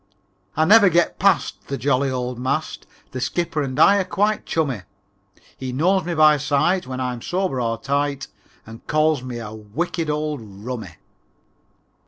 IV I never get past The jolly old mast, The skipper and I are quite chummy; He knows me by sight When I'm sober or tight And calls me a "wicked old rummy."